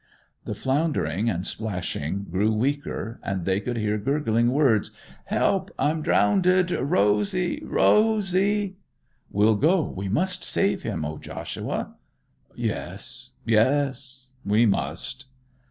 The floundering and splashing grew weaker, and they could hear gurgling words: 'Help—I'm drownded! Rosie—Rosie!' 'We'll go—we must save him. O Joshua!' 'Yes, yes! we must!